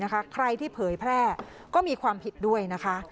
ใครที่เผยแพร่ก็มีความผิดด้วยนะคะ